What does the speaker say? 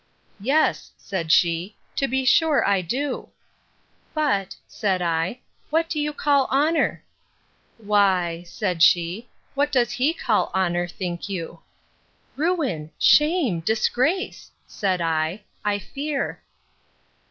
Yes, said she, to be sure I do. But, said I, what do you call honour? Why, said she, what does he call honour, think you?—Ruin! shame! disgrace! said I, I fear.